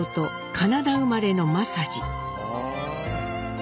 カナダ生まれの正二。